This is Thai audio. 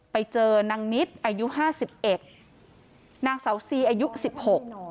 ไปเจอนางนิดอายุห้าสิบเอ็ดนางเสาซีอายุสิบหก